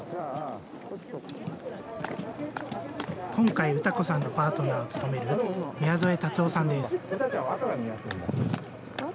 今回、詩子さんのパートナーを務める宮副竜生さんです。